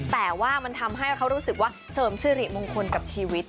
แต่ว่ามันทำให้เขารู้สึกว่าเสริมสิริมงคลกับชีวิต